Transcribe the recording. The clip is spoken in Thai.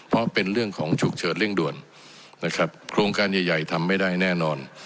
เพราะเป็นเรื่องของฉุกเฉินเร่งด่วนนะครับโครงการใหญ่ใหญ่ทำไม่ได้แน่นอน